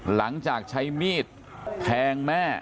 หลังจากใช้มีดแทงแม่